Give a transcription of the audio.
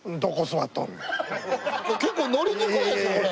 結構乗りにくいですねこれ。